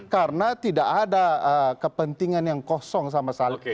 karena tidak ada kepentingan yang kosong sama sekali